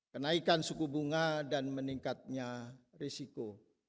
kenaikan suku bunga dan meningkatnya risiko